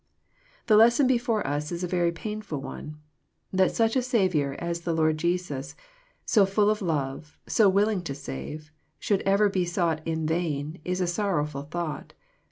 The lesson before us is a very^ainful one. That such a Saviour as the Lord Jesus, so full of love, so willing to save, should ever be sought " in vain," is a sor rowful thought.